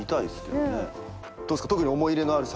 どうっすか？